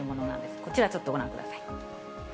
こちらちょっとご覧ください。